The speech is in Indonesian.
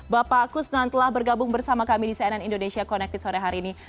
bapak kusnan telah bergabung bersama kami di cnn indonesia connected sore hari ini